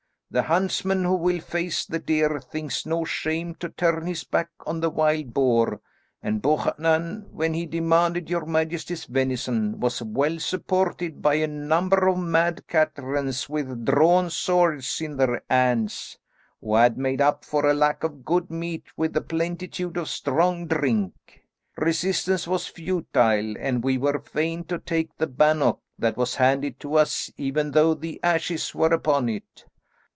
The huntsman who will face the deer thinks no shame to turn his back on the wild boar, and Buchanan, when he demanded your majesty's venison, was well supported by a number of mad caterans with drawn swords in their hands, who had made up for a lack of good meat with a plentitude of strong drink. Resistance was futile, and we were fain to take the bannock that was handed to us, even though the ashes were upon it.